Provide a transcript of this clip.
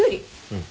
うん。